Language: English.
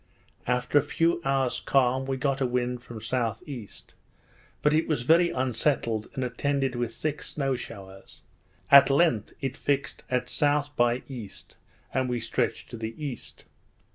After a few hours calm, we got a wind from S.E.; but it was very unsettled, and attended with thick snow showers; at length it fixed at S. by E., and we stretched to the east.